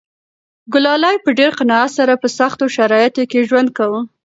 ګلالۍ په ډېر قناعت سره په سختو شرایطو کې ژوند کاوه.